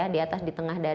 di atas di tengah